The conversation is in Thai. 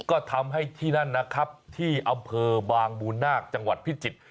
ก็ทำให้ที่นั่นนะครับที่อำเภอบางบูนาคจังหวัดพิจิตร